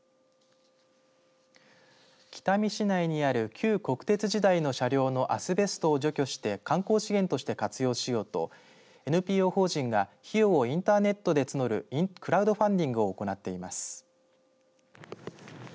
北見市内にある旧国鉄時代の車両のアスベストを除去して観光資源として活用しようとＮＰＯ法人が費用をインターネットで募るクラウドファンディングを行っています。